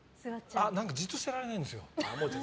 じっとしてられないんですよ。